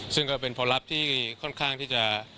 ซึ่งก็เป็นผลลัพธ์ที่ค่อนข้างที่จะ